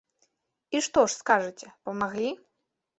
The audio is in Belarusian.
І што ж, скажыце, памаглі?